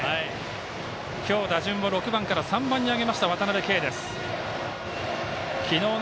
今日打順を６番から３番に上げました渡辺憩です。